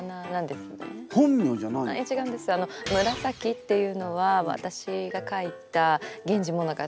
「紫」っていうのは私が書いた「源氏物語」